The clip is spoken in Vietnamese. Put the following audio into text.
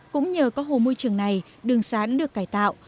cũng nhờ có hồ môi trường này đường sán được cải tạo